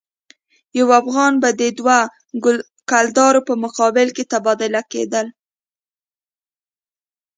یو افغانۍ به د دوه کلدارو په مقابل کې تبادله کېدله.